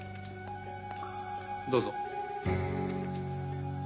どうぞ。